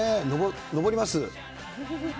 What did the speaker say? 上ります。